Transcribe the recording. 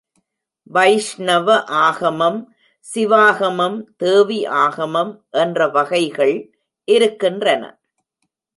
வைஷ்ணவ ஆகமம், சிவாகமம், தேவி ஆகமம் என்ற வகைகள் இருக்கின்றன.